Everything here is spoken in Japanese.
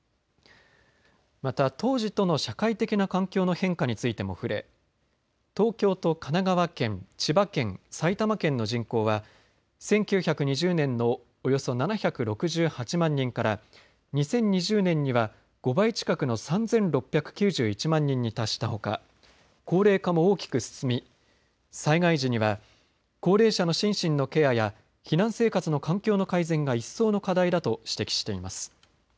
また当時との社会的な環境の変化についても触れ東京と神奈川県、千葉県、埼玉県の人口は１９２０年のおよそ７６８万人から２０２０年には５倍近くの３６９１万人に達したほか高齢化も大きく進み災害時には高齢者の心身のケアや避難生活の環境の改善が一層の課題だと指摘しています。